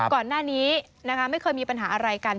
ก่อนหน้านี้นะคะไม่เคยมีปัญหาอะไรกัน